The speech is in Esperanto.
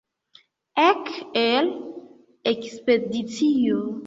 Ek al ekspedicio!